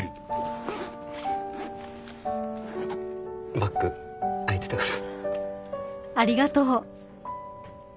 バッグ開いてたから。